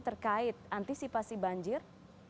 terkait antisipasi banjir